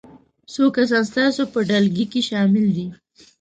څو کسان ستاسو په ډلګي کې شامل دي؟